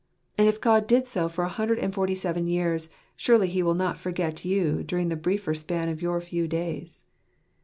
And if God did so for a hundred and forty seven years, surely He will not forget you during the briefer span of your few days.